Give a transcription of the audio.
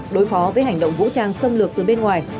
đối phó với hành động vũ trang xâm lược từ bên ngoài